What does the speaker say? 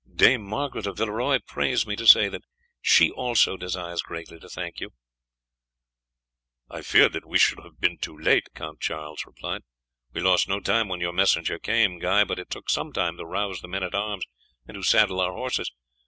"Dame Margaret of Villeroy prays me to say that she also desires greatly to thank you," Guy said. "I feared that we should have been too late," Count Charles replied. "We lost no time when your messenger came, Guy, but it took some time to rouse the men at arms and to saddle our horses.